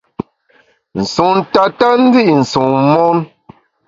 Nsun tata ndi’ nsun mon.